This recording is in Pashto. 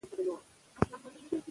هغوی ټوله ورځ په کروندو کې کار کاوه.